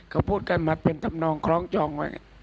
ก็พูดกันมาเป็นตำนองครองจอง